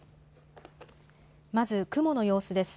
まず雲の様子です。